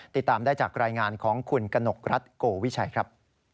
ติดตามได้จากรายงานของคุณกนกรัฐโกวิชัยครับ